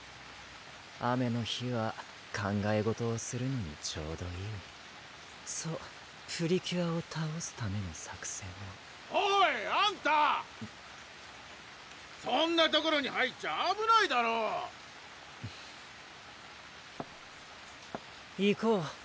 雨の日は考え事をするのにちょうどいいそうプリキュアをたおすための作戦を・おいあんた・うん？そんな所に入っちゃあぶないだろ行こう